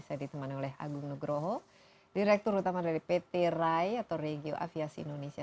saya ditemani oleh agung nugroho direktur utama dari pt rai atau regio aviasi indonesia